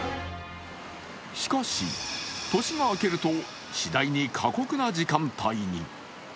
しかし、年が明けると次第に過酷な時間帯に。